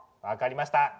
分かりました。